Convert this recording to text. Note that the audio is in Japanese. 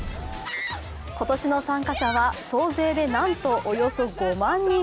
今年の参加者は、総勢でなんとおよそ５万人。